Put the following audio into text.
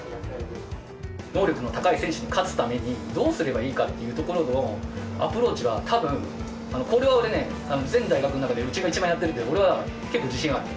能力の高い選手に勝つために、どうすればいいかというところのアプローチはたぶん、これは俺ね、全大学の中でうちが一番やってるって、俺は結構自信はある。